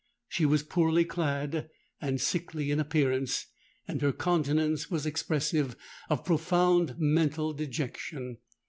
She was poorly clad and sickly in appearance; and her countenance was expressive of profound mental dejection.